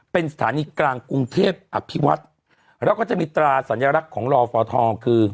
เป็นสถานีกลางกรุงเทพอภิวัฒน์แล้วก็จะมีตราสัญลักษณ์ของรอฟทคือ